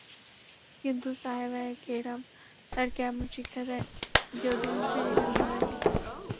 কিন্তু সাহাবায়ে কেরাম তাদেরকে এমন শিক্ষা দেয় যে, অধিকাংশই সেখানে মারা যায়।